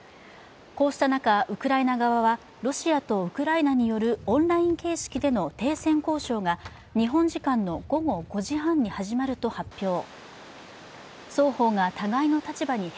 こうした中、ウクライナ側はロシアとウクライナによるオンライン形式での停戦交渉が日本時間の午後５時半に始まると発表。